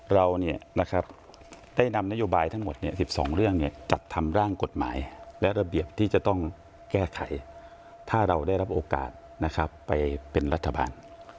เราเนี่ยนะครับได้นำนโยบายทั้งหมดเนี่ย๑๒เรื่องเนี่ยจัดทำร่างกฎหมายและระเบียบที่จะต้องแก้ไขถ้าเราได้รับโอกาสนะครับไปเป็นรัฐบาล